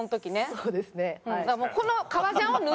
そうですねはい。